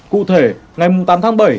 cụ thể ngày tám tháng bảy